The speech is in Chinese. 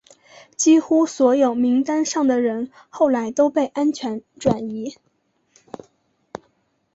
几乎所有名单上的人后来都被安全转移。